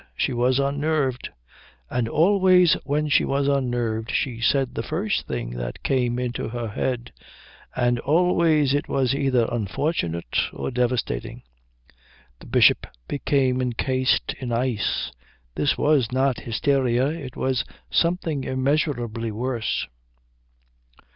She was unnerved. And always when she was unnerved she said the first thing that came into her head, and always it was either unfortunate or devastating. The Bishop became encased in ice. This was not hysteria, it was something immeasurably worse.